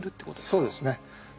そうですね。